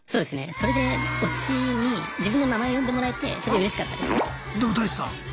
それで推しに自分の名前呼んでもらえてすごいうれしかったですね。